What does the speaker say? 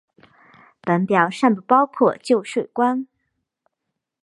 本表尚不包括旧税关。